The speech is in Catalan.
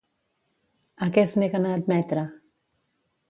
A què es neguen a admetre?